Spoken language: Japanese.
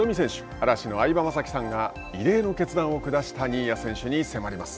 嵐の相葉雅紀さんが異例の決断を下した迫ります。